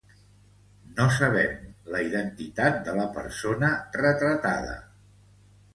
No sabem la identitat de la persona retratada.